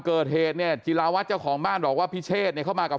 เกิดเหตุเนี่ยจิลาวัตรเจ้าของบ้านบอกว่าพิเชษเนี่ยเข้ามากับ